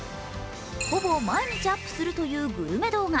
ほぼ毎日アップするというグルメ動画。